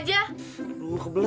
jangan lupa bu